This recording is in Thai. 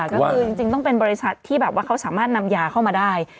ก็คือจริงต้องเป็นบริษัทที่แบบว่าเขาสามารถนำยาเข้ามาได้